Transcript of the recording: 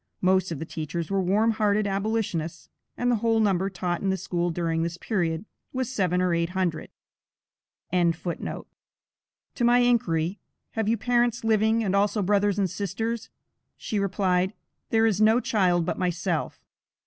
Most of the teachers were warm hearted abolitionists, and the whole number taught in this school during this period, was seven or eight hundred.] To my inquiry, have you parents living, and also brothers and sisters, she replied: "There is no child but myself."